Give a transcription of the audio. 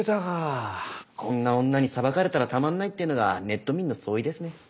こんな女に裁かれたらたまんないっていうのがネット民の総意ですね。